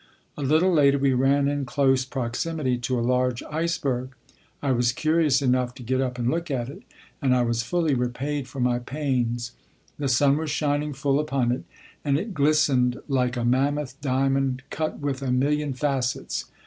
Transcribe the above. A little later we ran in close proximity to a large iceberg. I was curious enough to get up and look at it, and I was fully repaid for my pains. The sun was shining full upon it, and it glistened like a mammoth diamond, cut with a million facets.